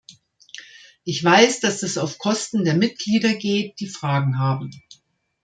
Ich weiß, dass das auf Kosten der Mitlgieder geht, die Fragen haben.